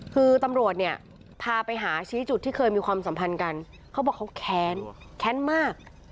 คือตำรวจเนี่ยพาไปหาชี้จุดที่เคยมีความสัมพันธ์กันเขาบอกเขาแค้นแค้นมาก